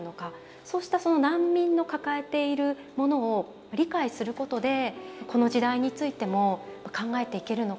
そうしたその難民の抱えているものを理解することでこの時代についても考えていけるのかなと。